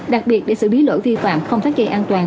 đặc biệt để xử lý lỗi vi phạm không tắt ghế an toàn